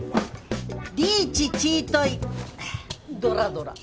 リーチチートイドラドラ。